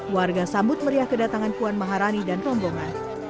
warga sambut meriah kedatangan puan maharani dan rombongan